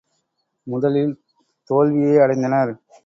முதலில் தோல்வியே அடைந்தனர்.